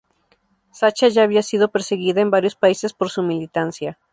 Sacha ya había sido perseguida en varios países por su militancia.